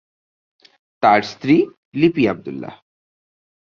তার স্ত্রী লিপি আব্দুল্লাহ।